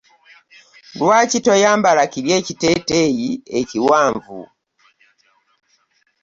Lwaki toyambala kiri ekiteteeyi ekiwanvu?